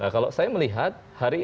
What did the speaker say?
kalau saya melihat hari ini